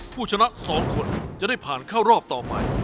ผู้ชนะ๒คนจะได้ผ่านเข้ารอบต่อไป